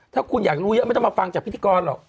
ถ้าคุณอยากรู้เยอะไม่ต้องมาฟังจากพิธีกรหรอก